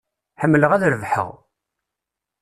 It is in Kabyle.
Ḥemmleɣ ad rebḥeɣ.